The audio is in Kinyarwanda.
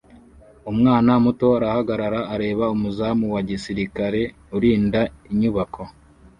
Umwana muto arahagarara areba umuzamu wa gisirikare urinda inyubako